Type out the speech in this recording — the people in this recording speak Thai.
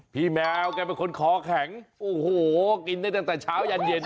แมวแกเป็นคนคอแข็งโอ้โหกินได้ตั้งแต่เช้ายันเย็น